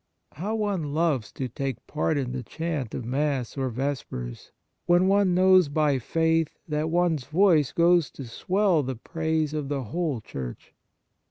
How one loves to take part in the chant of Mass or Vespers, when one knows by faith that one s voice goes to swell the praise of the whole Church